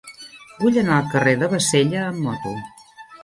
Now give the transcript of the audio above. Vull anar al carrer de Bassella amb moto.